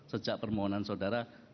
sejak permohonan saudara